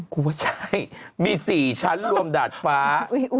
คุณว่าใช่มี๔ชั้นรวมดาดฟ้า